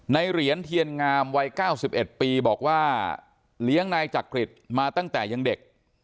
เหรียญเทียนงามวัย๙๑ปีบอกว่าเลี้ยงนายจักริตมาตั้งแต่ยังเด็ก